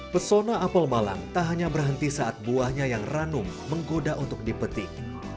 pesona apel malang tak hanya berhenti saat buahnya yang ranum menggoda untuk dipetik